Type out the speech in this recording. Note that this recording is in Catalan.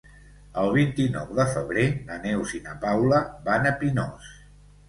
El vint-i-nou de febrer na Neus i na Paula van a Pinós.